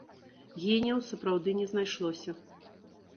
Геніяў сапраўды не знайшлося.